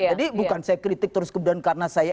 jadi bukan saya kritik terus kemudian karena saya